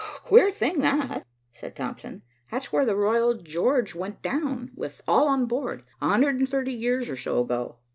"Queer thing that," said Thompson. "That's where the Royal George went down, with all on board, a hundred and thirty years or so ago.